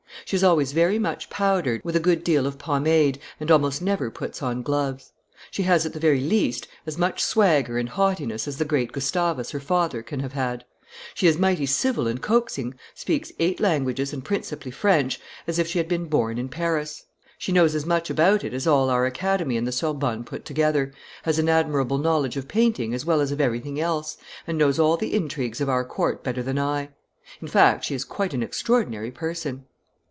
She is always very much powdered, with a good deal of pomade, and almost never puts on gloves. She has, at the very least, as much swagger and haughtiness as the great Gustavus, her father, can have had; she is mighty civil and coaxing, speaks eight languages, and principally French, as if she had been born in Paris. She knows as much about it as all our Academy and the Sorbonne put together, has an admirable knowledge of painting as well as of everything else, and knows all the intrigues of our court better than I. In fact, she is quite an extraordinary person."